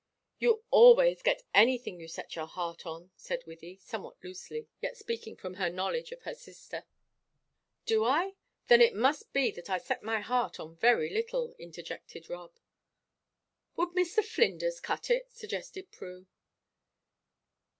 "You always get anything you set your heart on," said Wythie, somewhat loosely, yet speaking from her knowledge of her sister. "Do I? Then it must be that I set my heart on very little," interjected Rob. "Would Mr. Flinders cut it?" suggested Prue.